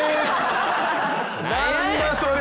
何だそれ。